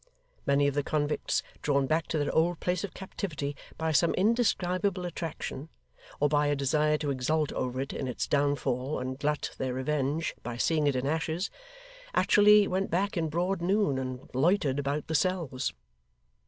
Many of the convicts, drawn back to their old place of captivity by some indescribable attraction, or by a desire to exult over it in its downfall and glut their revenge by seeing it in ashes, actually went back in broad noon, and loitered about the cells.